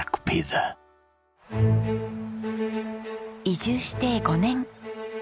移住して５年。